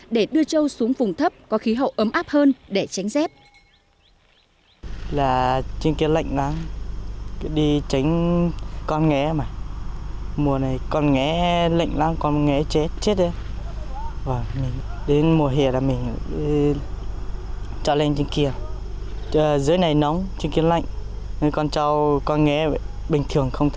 để đưa châu xuống vùng thấp có khí hậu ấm áp hơn để tránh rét